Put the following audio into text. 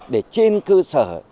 để trên cơ sở